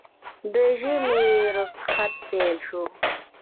د ژمي روخصت پېل شو